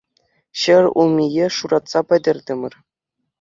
Ҫӗр улмие шуратса пӗтертӗмӗр.